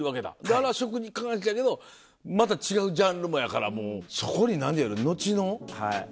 あれは食に関してやけどまた違うジャンルもやからもう。